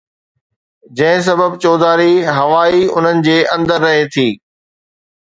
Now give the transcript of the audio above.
جنهن سبب چوڌاري هوا ئي انهن جي اندر رهي ٿي